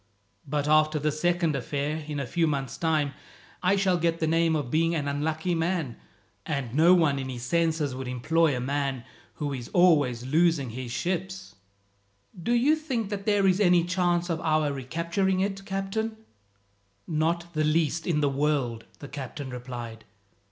But after this second affair, in a few months' time, I shall get the name of being an unlucky man, and no one in his senses would employ a man who is always losing his ships." "Do you think that there is any chance of our recapturing it, captain?" "Not the least in the world," the captain replied.